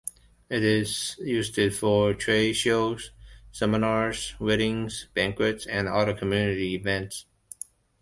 It is used for trade shows, seminars, weddings, banquets and other community events.